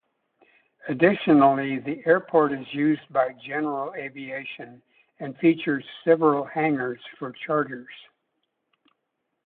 Additionally, the airport is used by general aviation and features several hangars for charters.